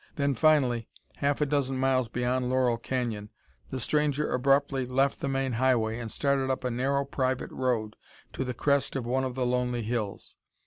Then finally, half a dozen miles beyond Laurel Canyon, the stranger abruptly left the main highway and started up a narrow private road to the crest of one of the lonely hills.